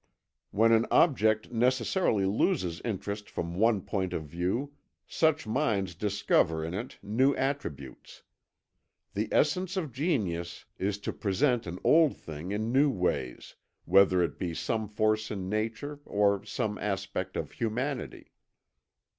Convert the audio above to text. When an object necessarily loses interest from one point of view, such minds discover in it new attributes. The essence of genius is to present an old thing in new ways, whether it be some force in nature or some aspect of humanity."